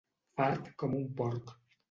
Fart com un porc.